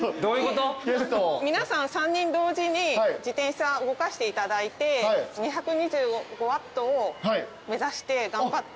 皆さん３人同時に自転車動かしていただいて２２５Ｗを目指して頑張って。